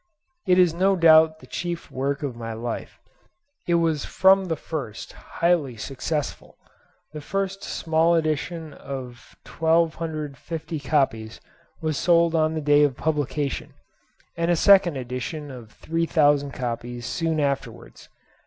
It is no doubt the chief work of my life. It was from the first highly successful. The first small edition of 1250 copies was sold on the day of publication, and a second edition of 3000 copies soon afterwards.